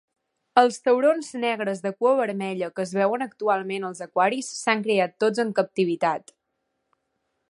Els taurons negres de cua vermella que es veuen actualment als aquaris s'han criat tots en captivitat.